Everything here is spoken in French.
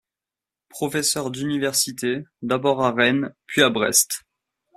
Professeur d'Université, d'abord à Rennes, puis à Brest.